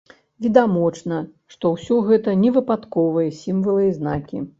Відавочна, што ўсё гэта не выпадковыя сімвалы і знакі.